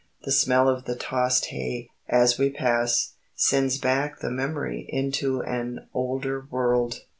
The smell of the tossed hay, as we pass, sends back the memory into an older world.